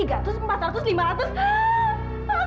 akan satu pilihan